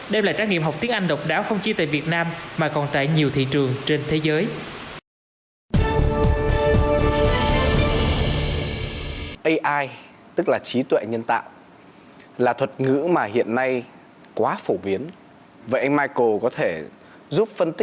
đem lại trải nghiệm học tiếng anh độc đáo không chỉ tại việt nam mà còn tại nhiều thị trường trên thế giới